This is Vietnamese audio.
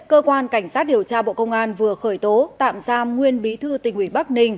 cơ quan cảnh sát điều tra bộ công an vừa khởi tố tạm giam nguyên bí thư tỉnh ủy bắc ninh